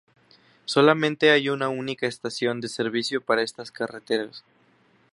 Solamente hay una única estación de servicio para estas carreteras.